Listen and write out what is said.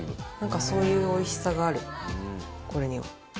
そういうおいしさがあるこれには。